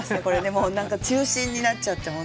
もう何か中心になっちゃって本当に。